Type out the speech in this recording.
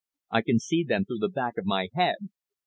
I can see them through the back of my head.